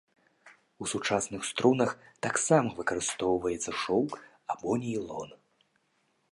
У сучасных струнах таксама выкарыстоўваецца шоўк або нейлон.